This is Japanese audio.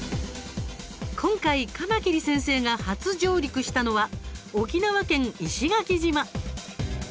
今回、カマキリ先生が初上陸したのは沖縄県石垣島。